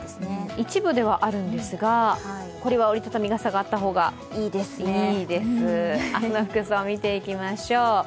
一部ではあるんですがこれは折り畳み傘があったほうが明日の服装、見ていきましょう。